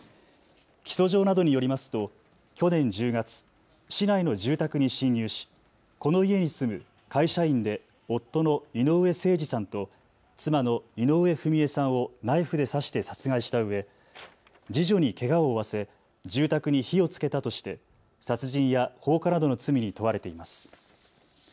起訴状などによりますと去年１０月、市内の住宅に侵入しこの家に住む会社員で夫の井上盛司さんと妻の井上章惠さんをナイフで刺して殺害したうえ、次女にけがを負わせ住宅に火をつけたとして殺人や放火などの罪に問われています。